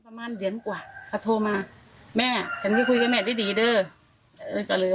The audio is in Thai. ประมาณเดือนกว่าเขาโทรมาแม่ฉันก็คุยกับแม่ดีดีเด้อก็เลย